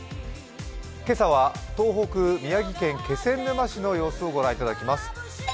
今朝は東北・宮城県気仙沼市の様子をご覧いただきます。